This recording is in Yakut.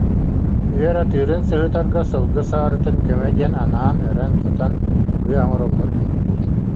Үөр атыырын сыһытарга сылгы саарытын көмө диэн анаан өрөн-хатан быа оҥороллор эбит